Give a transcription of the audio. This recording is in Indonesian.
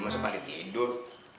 masa pagi tidur